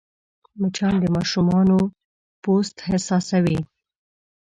مچان د ماشومانو پوست حساسوې